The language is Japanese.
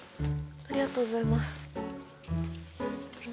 ありがとうございます。